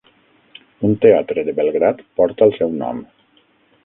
Un teatre de Belgrad porta el seu nom.